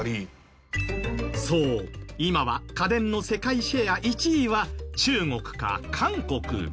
そう今は家電の世界シェア１位は中国か韓国。